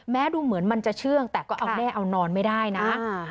ดูเหมือนมันจะเชื่องแต่ก็เอาแน่เอานอนไม่ได้นะ